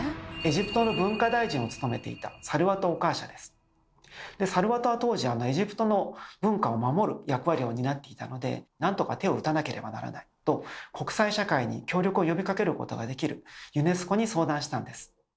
そんなときサルワトは当時エジプトの文化を守る役割を担っていたのでなんとか手を打たなければならないと国際社会に協力を呼びかけることができるユネスコに相談したんです。